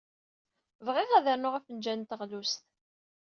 Bɣiɣ ad rnuɣ afenjal n teɣlust.